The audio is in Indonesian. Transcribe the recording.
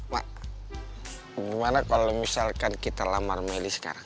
mak gimana kalau misalkan kita lamar medis sekarang